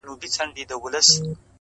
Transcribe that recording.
• زما د آه جنازه څه سوه؟ -